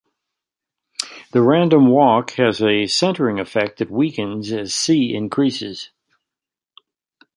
The random walk has a centering effect that weakens as "c" increases.